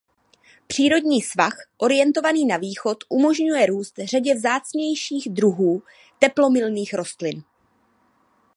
Přírodní svah orientovaný na východ umožňuje růst řadě vzácnějších druhů teplomilných rostlin.